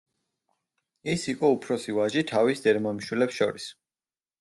ის იყო უფროსი ვაჟი თავის დედმამიშვილებს შორის.